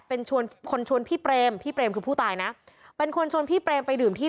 เป็นชวนคนชวนพี่เปรมพี่เปรมคือผู้ตายนะเป็นคนชวนพี่เปรมไปดื่มที่